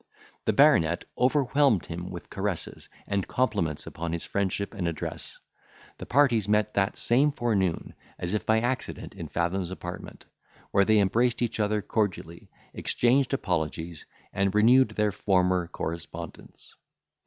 The baronet overwhelmed him with caresses and compliments upon his friendship and address; the parties met that same forenoon, as if by accident, in Fathom's apartment, where they embraced each other cordially, exchanged apologies, and renewed their former correspondence.